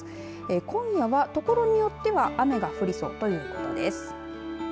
今夜は所によっては雨が降りそうということです。